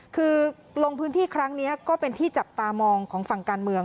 คือลงพื้นที่ครั้งนี้ก็เป็นที่จับตามองของฝั่งการเมือง